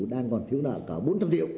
đang còn thiếu nợ cả bốn trăm linh triệu